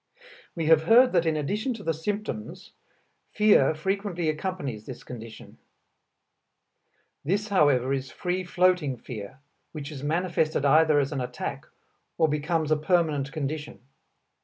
We have heard that in addition to the symptoms, fear frequently accompanies this condition; this, however, is free floating fear, which is manifested either as an attack or becomes a permanent condition.